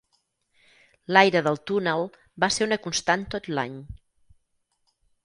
L"aire del túnel va ser una constant tot l"any.